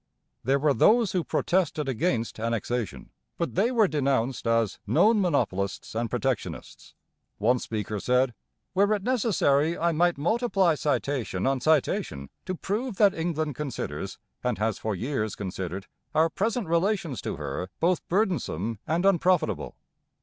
There were those who protested against Annexation; but they were denounced as 'known monopolists and protectionists.' One speaker said: 'Were it necessary I might multiply citation on citation to prove that England considers, and has for years considered, our present relations to her both burdensome and unprofitable.'